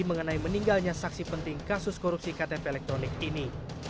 mengenai meninggalnya saksi penting kasus korupsi ktp elektronik ini